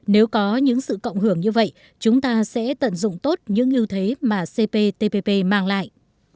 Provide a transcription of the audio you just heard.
nếu có những sự cộng hưởng như vậy chúng ta sẽ tận dụng tốt những ưu thế mà cptpp mang lại